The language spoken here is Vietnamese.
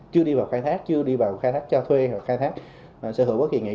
chưa đi vào khai thác chưa đi vào khai thác cho thuê hoặc khai thác sở hữu bất kỳ nghĩa